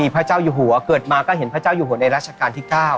พระเจ้าอยู่หัวเกิดมาก็เห็นพระเจ้าอยู่หัวในราชการที่๙